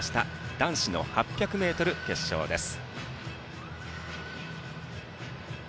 男子の８００ｍ決勝です。